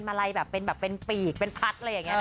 เจ้ามัลัยเงินล้านปรีกพัด